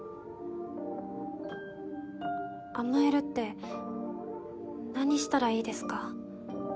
「甘える」って何したらいいですか？